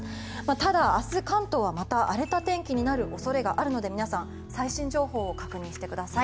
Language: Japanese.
ただ明日、関東はまた荒れた天気になる恐れがあるので皆さん、最新情報を確認してください。